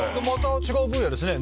違う分野ですね